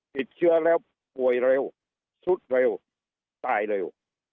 ติดเชื้อแล้วป่วยเร็วสุดเร็วตายเร็ว